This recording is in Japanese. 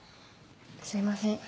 すいません。